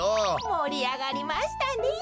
もりあがりましたねえ。